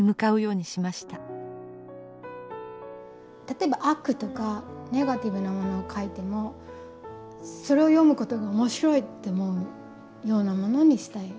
例えば悪とかネガティブなものを描いてもそれを読むことが面白いって思うようなものにしたい。